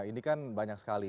ini kan banyak sekali